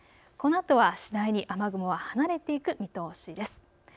このあとは次第に雨雲は離れていく見通しです。